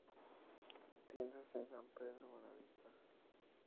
Tiendas en San Pedro Buenavista.